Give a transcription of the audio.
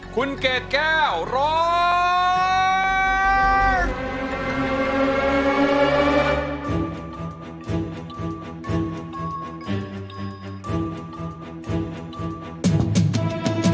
คุณเกดแก้วนะครับ